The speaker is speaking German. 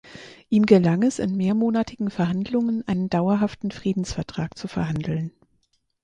Ihm gelang es, in mehrmonatigen Verhandlungen einen dauerhaften Friedensvertrag zu verhandeln.